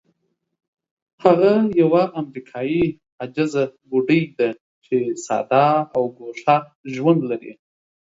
هغه یوه امریکایي عاجزه بوډۍ ده چې ساده او ګوښه ژوند لري.